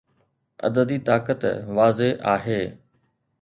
عددي طاقت واضح آهي.